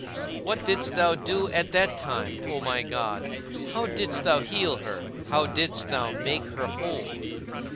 What didst thou do at that time, O my God? How didst thou heal her? How didst thou make her whole?